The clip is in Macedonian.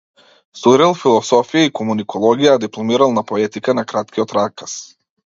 Студирал философија и комуникологија, а дипломирал на поетика на краткиот раказ.